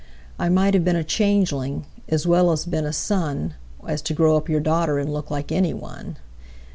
I might have been a changeling, As well have been a son, As to grow up your daughterAnd look like anyone.